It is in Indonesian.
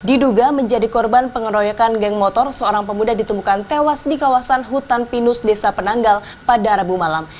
diduga menjadi korban pengeroyokan geng motor seorang pemuda ditemukan tewas di kawasan hutan pinus desa penanggal pada rabu malam